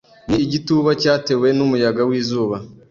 ni igituba cyatewe n'umuyaga w'izuba